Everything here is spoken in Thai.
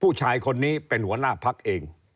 ผู้ชายคนนี้เป็นหัวหน้าพักเอง